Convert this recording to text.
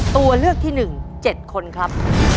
ตัวเลือกที่หนึ่ง๗คนครับ